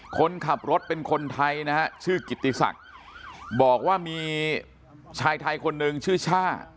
คนขับรถเป็นคนไทยนะฮะชื่อกิติศักดิ์บอกว่ามีชายไทยคนหนึ่งชื่อช่า